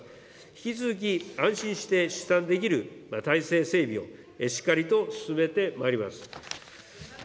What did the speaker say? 引き続き、安心して出産できる体制整備をしっかりと進めてまいります。